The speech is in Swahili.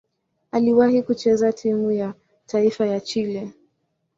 Aliwahi kucheza timu ya taifa ya Chile.